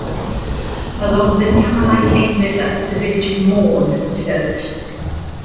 Along the Thamalakane River the village of Maun developed.